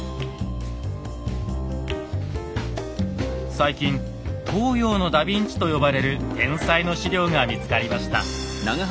最近「東洋のダビンチ」と呼ばれる天才の史料が見つかりました。